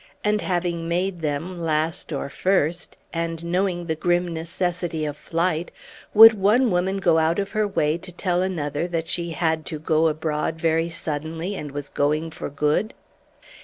And having made them, last or first; and knowing the grim necessity of flight; would one woman go out of her way to tell another that she "had to go abroad very suddenly, and was going for good?"